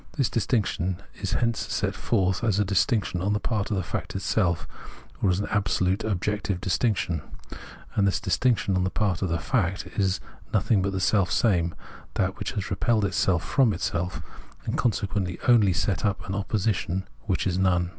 The distinction is hence set forth as a dis tinction on the part of the fact itself, or as an absolute (objective) distinction ; and this distinction on the part of the fact is thus nothing but the selfsame, that which has repelled itself from itself, and consequently only set up an opposition which is none.